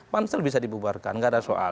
pansel bisa dibubarkan nggak ada soal